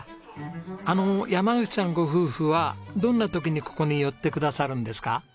あの山口さんご夫婦はどんな時にここに寄ってくださるんですか？